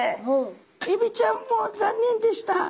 エビちゃんも残念でした。